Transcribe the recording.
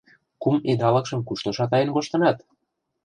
Кум идалыкшым кушто шатаен коштынат?